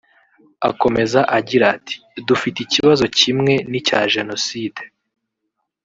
Akomeza agira ati “ Dufite ikibazo kimwe n’icya Jenoside